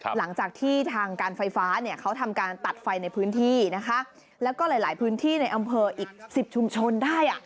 หลังจากที่ทางการไฟฟ้าเนี่ยเขาทำการตัดไฟในพื้นที่นะคะแล้วก็หลายพื้นที่ในอำเภออีก๑๐ชุมชนได้